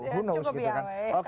ya cukup ya